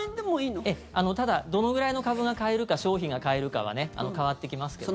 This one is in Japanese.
ただどのぐらいの株が買えるか商品が買えるかは変わってきますけども。